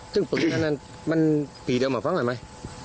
จึงหมดมันปีเดิมหรือไม่